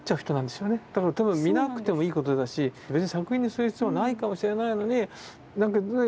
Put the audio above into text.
だから多分見なくてもいいことだし別に作品にする必要はないかもしれないのに。